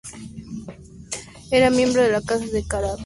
Era miembro de la casa de Karađorđević.